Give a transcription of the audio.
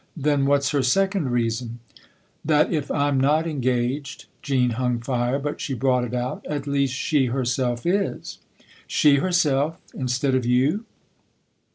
" Then what's her second reason ?" "That if I'm not engaged" Jean hung fire, but she brought it out " at least she herself is." " She herself ? instead of you